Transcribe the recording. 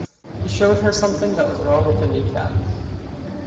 He showed her something that was wrong with a knee-cap.